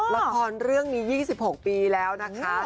ละครเรื่องนี้๒๖ปีแล้วนะคะ